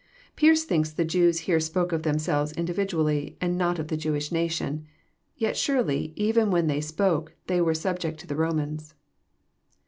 Pearce thinks the Jews here spoke of themselves individually, and not of the Jewish nation. Yet surely, even when they spoke, they were subject to the Romans.